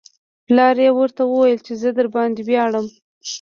پلار یې ورته وویل چې زه درباندې ویاړم